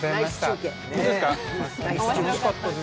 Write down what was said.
楽しかったです。